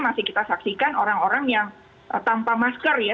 masih kita saksikan orang orang yang tanpa masker ya